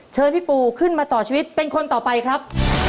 เชิญพี่ปูขึ้นมาต่อชีวิตเป็นคนต่อไปครับ